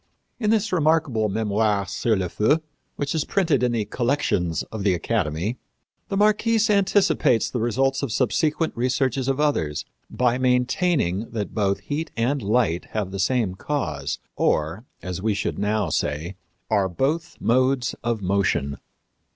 In this remarkable Mémoire sur le Feu, which is printed in the Collections of the Academy, the Marquise anticipates the results of subsequent researches of others by maintaining that both heat and light have the same cause, or, as we should now say, are both modes of motion.